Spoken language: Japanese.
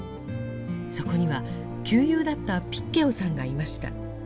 そこには級友だったピッ・ケオさんがいました。